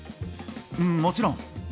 もちろん！